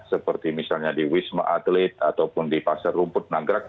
seperti misalnya di wisma atlet ataupun di pasar rumput nagrak